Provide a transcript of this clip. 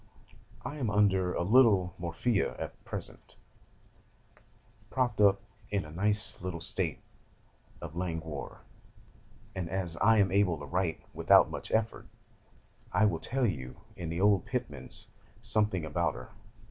'I am under a little morphia at present, propped up in a nice little state of languor, and as I am able to write without much effort, I will tell you in the old Pitman's something about her.